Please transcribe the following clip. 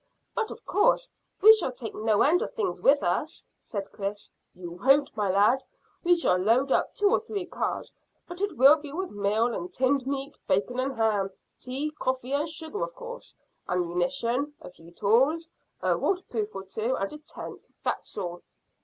"But of course we shall take no end of things with us," said Chris. "You won't, my lad. We shall load up two or three cars, but it will be with meal and tinned meat, bacon and ham. Tea, coffee, and sugar, of course. Ammunition, a few tools, a waterproof or two, and a tent. That's all."